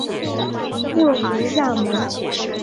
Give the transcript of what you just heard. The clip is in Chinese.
六足亚门。